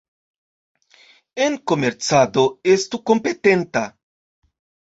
En komercado, estu kompetenta.